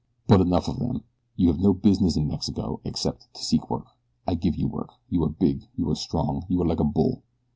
But enough of them. You have no business in Mexico except to seek work. I give you work. You are big. You are strong. You are like a bull.